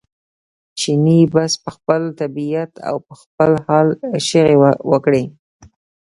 چیني بس په خپله طبعیت او په خپل حال چغې وکړې.